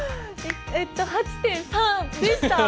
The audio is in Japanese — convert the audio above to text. えっと８．３でした！